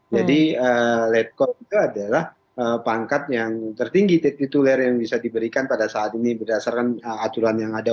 jadi let call itu adalah pangkat yang tertinggi titular yang bisa diberikan pada saat ini berdasarkan aturan yang ada